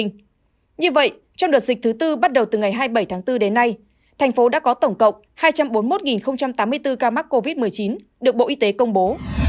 như vậy trong đợt dịch thứ tư bắt đầu từ ngày hai mươi bảy tháng bốn đến nay thành phố đã có tổng cộng hai trăm bốn mươi một tám mươi bốn ca mắc covid một mươi chín được bộ y tế công bố